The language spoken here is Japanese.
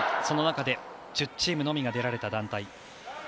その中で１０チームのみが出られた団体。